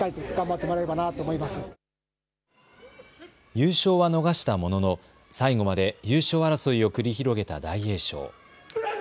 優勝は逃したものの最後まで優勝争いを繰り広げた大栄翔。